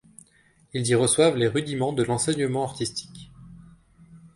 Ils y reçoivent les rudiments de l'enseignement artistique.